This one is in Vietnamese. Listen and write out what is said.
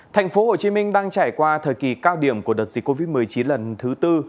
thành phố hồ chí minh đang trải qua thời kỳ cao điểm của đợt dịch covid một mươi chín lần thứ tư